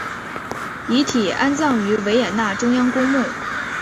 遗体安葬于维也纳中央公墓。